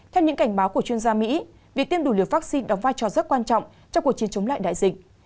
theo những cảnh báo của chuyên gia mỹ việc tiêm đủ liều vaccine đóng vai trò rất quan trọng trong cuộc chiến chống lại đại dịch